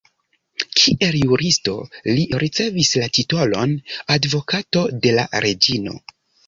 Kiel juristo li ricevis la titolon Advokato de la Reĝino.